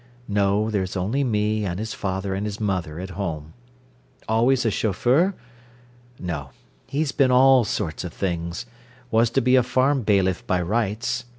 No, there's only me and his father and mother at home. Always a chauffeur? No, he's been all sorts of things: was to be a farm bailiff by rights.